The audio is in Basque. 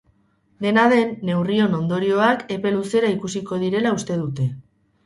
Dena den, neurrion ondorioak epe luzera ikusiko direla uste dute.